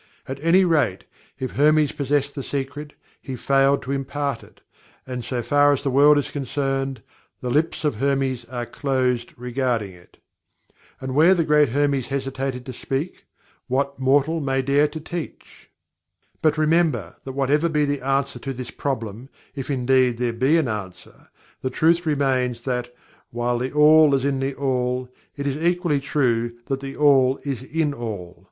At any rate, if Hermes possessed the Secret, he failed to impart it, and so far as the world is concerned THE LIPS OF HERMES ARE CLOSED regarding it. And where the Great Hermes hesitated to speak, what mortal may dare to teach? But, remember, that whatever be the answer to this problem, if indeed there be an answer the truth remains that: "While All is in THE ALL, it is equally true that THE ALL is in All."